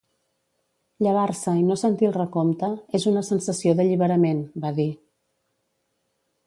Llevar-se i no sentir el recompte és una sensació d’alliberament, va dir.